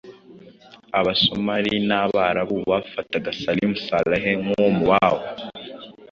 Aba-Somali n’Abarabu bafataga Salim Saleh nk’uwo mu babo.